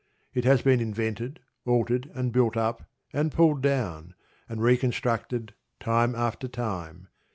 It has been invented, altered, and built up, and pulled down, and reconstructed time after time.